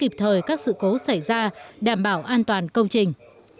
và các sự cố xảy ra đảm bảo an toàn công trình